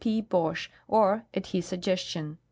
P. Bauche or at his suggestion.